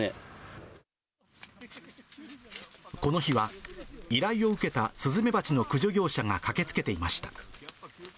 この日は、依頼を受けたスズメバチの駆除業者が駆けつけていました。